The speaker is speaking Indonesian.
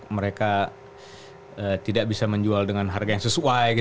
mereka tidak bisa menjual dengan harga yang sesuai